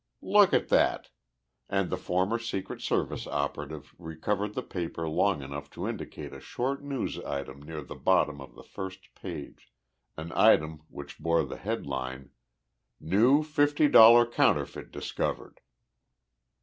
"Look at that!" And the former Secret Service operative recovered the paper long enough to indicate a short news item near the bottom of the first page an item which bore the headline, "New Fifty Dollar Counterfeit Discovered."